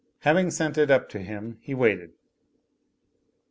Having sent it up to him, he waited.